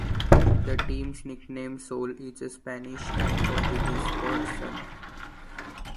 The team's nickname, Sol, is Spanish and Portuguese for "sun".